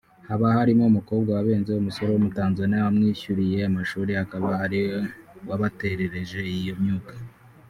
haba harimo umukobwa wabenze umusore w’umutanzaniya wamwishyuriye amashuri akaba ariwe wabaterereje iyo myuka